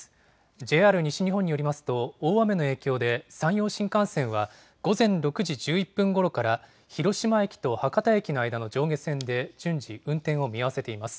ＪＲ西日本によりますと、大雨の影響で山陽新幹線は午前６時１１分ごろから、広島駅と博多駅の間の上下線で順次、運転を見合わせています。